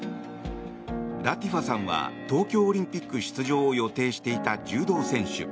ラティファさんは東京オリンピック出場を予定していた柔道選手。